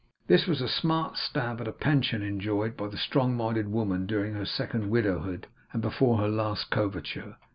This was a smart stab at a pension enjoyed by the strong minded woman, during her second widowhood and before her last coverture.